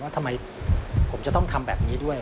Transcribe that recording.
ทำไมผมจะต้องทำแบบนี้ด้วย